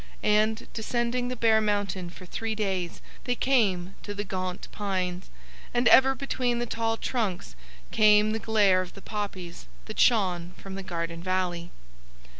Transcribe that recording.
And descending the bare mountain for three days they came to the gaunt pines, and ever between the tall trunks came the glare of the poppies that shone from the garden valley.